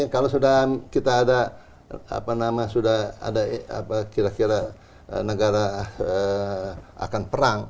kalau sudah kita ada apa nama sudah ada kira kira negara akan perang